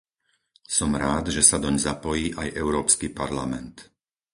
Som rád, že sa doň zapojí aj Európsky parlament.